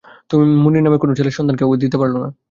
মুনির নামের কোনো ছেলের সন্ধান কেউ দিতে পারল না।